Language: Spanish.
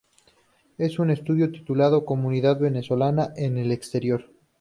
En un estudio titulado "Comunidad venezolana en el exterior.